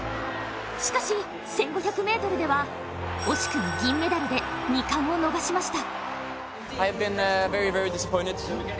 しかし１５００ｍでは惜しくも銀メダルで２冠を逃しました。